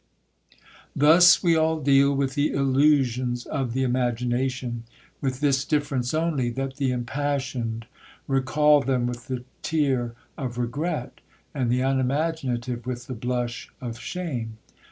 Thus we all deal with the illusions of the imagination,—with this difference only, that the impassioned recal them with the tear of regret, and the unimaginative with the blush of shame.